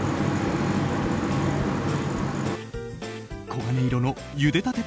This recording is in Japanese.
黄金色のゆでたて